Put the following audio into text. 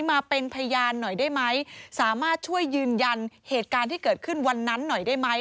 มาเป็นพยานหน่อยได้ไหมสามารถช่วยยืนยันเหตุการณ์ที่เกิดขึ้นวันนั้นหน่อยได้ไหม